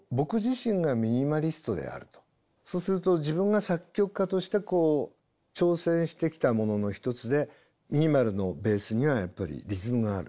そうすると自分が作曲家としてこう挑戦してきたものの一つでミニマルのベースにはやっぱりリズムがある。